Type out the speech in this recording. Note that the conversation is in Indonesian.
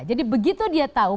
jadi begitu dia tahu